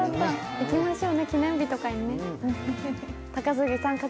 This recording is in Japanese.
行きましょうね、記念日とかにね。